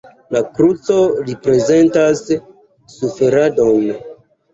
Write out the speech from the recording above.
La kruco reprezentas suferadon.